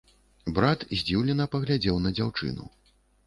Брат здзіўлена паглядзеў на дзяўчыну.